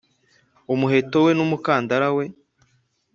umuheto we n umukandara we